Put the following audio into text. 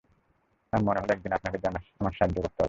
আর মনে হলো একদিন আপনাকে আমার সাহায্য করতে হবে।